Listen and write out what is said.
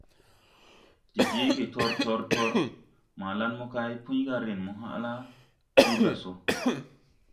De jeege tor! Tor! Tor! Malan mokay Puy ga: « Hay! Ren mo hãʼ la dur ga so!